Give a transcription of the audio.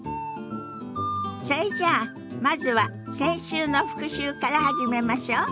それじゃあまずは先週の復習から始めましょ。